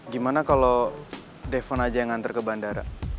gimana kalau depon aja yang nganter ke bandara